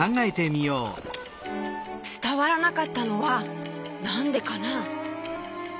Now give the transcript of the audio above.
つたわらなかったのはなんでかな？